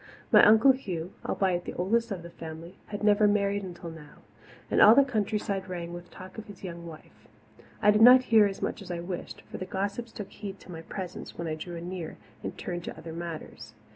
My Uncle Hugh, albeit the oldest of the family, had never married until now, and all the countryside rang with talk of his young wife. I did not hear as much as I wished, for the gossips took heed to my presence when I drew anear and turned to other matters.